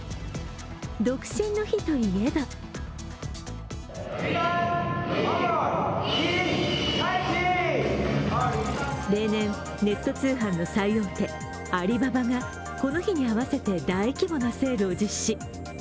独身の日といえば例年、ネット通販の最大手アリババがこの日に合わせて大規模なセールを実施。